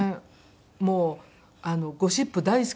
もうゴシップ大好きだったし。